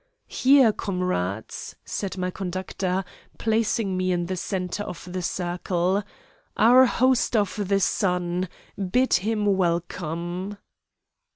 'Here comrades,' said my conductor, placing me in the centre of the circle. 'Our host of the Sun! Bid him welcome!